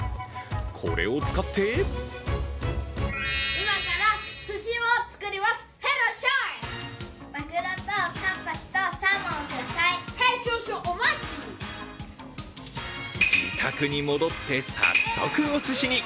これを使って自宅に戻って早速おすしに。